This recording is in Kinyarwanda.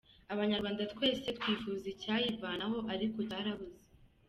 Abanyarwanda twese twifuza icyayivanaho, ariko cyarabuze!